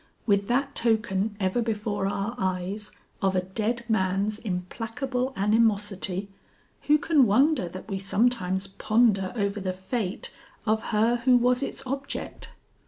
With that token ever before our eyes of a dead man's implacable animosity, who can wonder that we sometimes ponder over the fate of her who was its object."